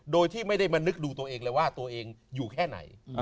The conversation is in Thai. โดยที่ไม่ได้มานึกดูตัวเองเลยว่าตัวเองอยู่แค่ไหน